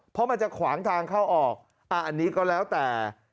เพราะมันจะขวางทางเข้าออกอันนี้ก็แล้วแต่